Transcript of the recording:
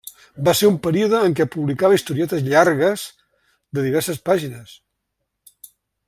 Va ser un període en què publicava historietes llargues, de diverses pàgines.